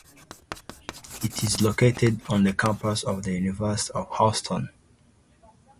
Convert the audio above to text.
It is located on the campus of the University of Houston.